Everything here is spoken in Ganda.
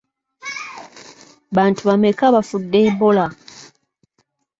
Bantu bameka abafudde Ebola?